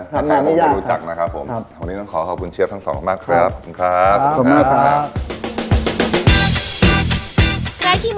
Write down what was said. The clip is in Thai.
ครับตรงเข้ามาเลยครับผมครับตรงเข้ามาเลยครับผม